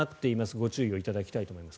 ご注意いただきたいと思います。